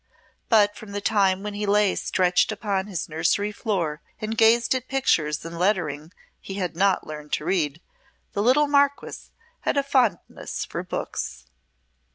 But from the time when he lay stretched upon his nursery floor and gazed at pictures and lettering he had not learned to read, the little Marquess had a fondness for books.